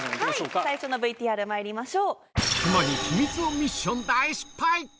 最初のＶＴＲまいりましょう。